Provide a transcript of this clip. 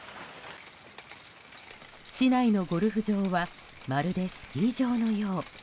市内のゴルフ場はまるでスキー場のよう。